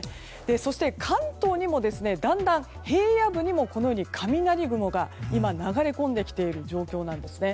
そして、関東にもだんだん平野部にも雷雲が流れ込んできている状況なんですね。